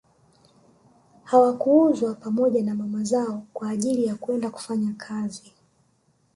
Hawakuuzwa pamoja na mama zao kwa ajili ya kwenda kufanya kazi